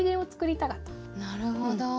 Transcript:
なるほど。